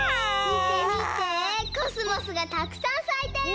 みてみてコスモスがたくさんさいてる！